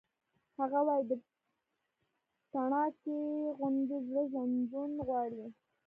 هغه وایی د تڼاکې غوندې زړه ژوندون غواړي